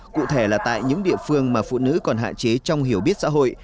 cụ thể là tại những địa phương mà phụ nữ còn hạn chế trong hiểu biết xã hội